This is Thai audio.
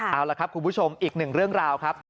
เอาล่ะครับคุณผู้ชมอีกหนึ่งเรื่องราวครับ